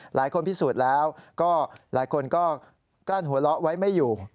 หลายคนพิสูจน์แล้วก็หลายคนก็กลั้นหัวเราะไว้ไม่อยู่